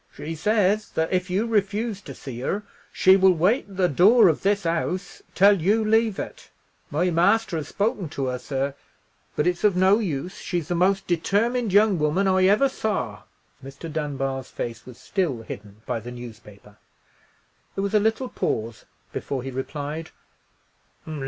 "She says that if you refuse to see her, she will wait at the door of this house until you leave it. My master has spoken to her, sir; but it's no use: she's the most determined young woman I ever saw." Mr. Dunbar's face was still hidden by the newspaper. There was a little pause before he replied.